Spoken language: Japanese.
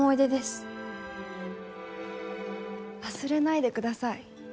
忘れないでください